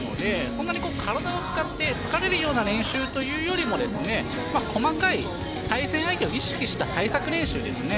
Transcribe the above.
そんなに体を使って疲れるような練習というより細かい対戦相手を意識した対策練習です。